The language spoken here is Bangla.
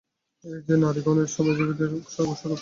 এ যেন নারীগণের ও শ্রমজীবিগণের স্বর্গস্বরূপ।